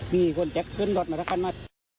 มีคนแจ็คขึ้นรถมารักษณ์มาด